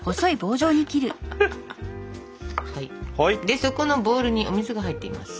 でそこのボウルにお水が入っています。